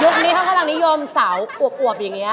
ยุคนี้เขาพระต่างนิยมสาวอวบอย่างนี้